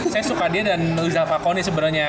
saya suka dia dan rizal vakoni sebenarnya